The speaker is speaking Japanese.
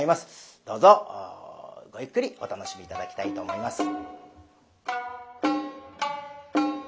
どうぞごゆっくりお楽しみ頂きたいと思います。